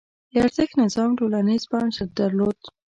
د ارزښت نظام ټولنیز بنسټ درلود.